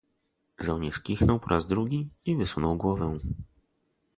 "Żołnierz kichnął po raz drugi i wysunął głowę."